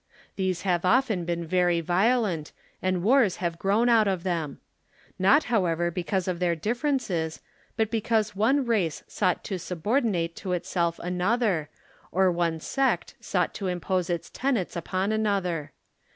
These have often been very violent and wars have grown out of them. ISTot, however, because of their differences, but because one race Eouo ht to subordinate to itself another, or one sect souo'ht to impose its tenets upon another.